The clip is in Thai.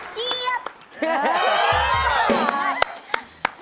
เชียบ